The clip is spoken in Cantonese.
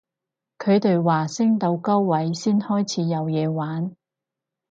佢哋話升到高位先開始有嘢玩